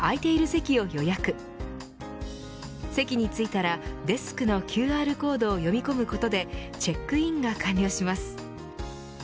席についたら、デスクのＱＲコードを読み込むことでチェックインが完了します。